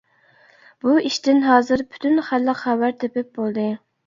بۇ ئىشتىن ھازىر پۈتۈن خەلق خەۋەر تېپىپ بولدى.